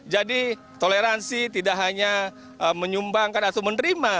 jadi toleransi tidak hanya menyumbangkan atau menerima